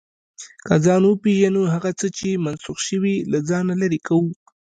که ځان وپېژنو، هغه څه چې منسوخ شوي، له ځانه لرې کوو.